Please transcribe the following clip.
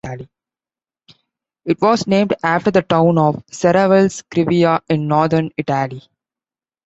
It was named after the town of Serravalle Scrivia in northern Italy.